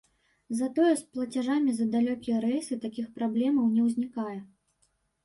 Затое з плацяжамі за далёкія рэйсы такіх праблемаў не ўзнікае.